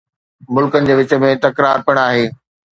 ملڪن جي وچ ۾ تڪرار پڻ آهي